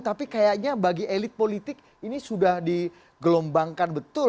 tapi kayaknya bagi elit politik ini sudah digelombangkan betul